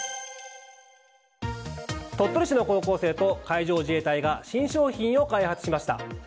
鳥取市の高校生と海上自衛隊が新商品を開発しました。